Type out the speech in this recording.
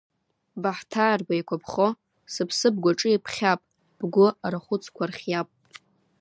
Баҳҭаар беикәаԥхо, сыԥсы бгәаҿы иԥхьап, бгәы арахәыцқәа архиап…